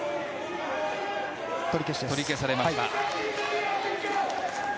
取り消されました。